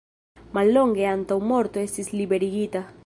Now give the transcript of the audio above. Mallonge antaŭ morto estis liberigita.